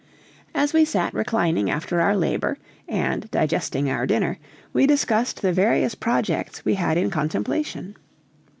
As we sat reclining after our labor and digesting our dinner, we discussed the various projects we had in contemplation.